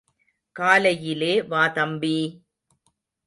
காலையிலே வா தம்பி!